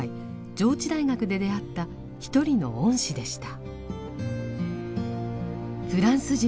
上智大学で出会った一人の恩師でした。